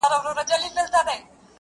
زه به د خال او خط خبري كوم.